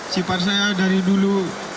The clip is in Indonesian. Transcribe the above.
sifat saya dari dulu